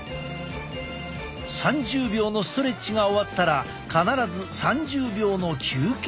３０秒のストレッチが終わったら必ず３０秒の休憩をすること。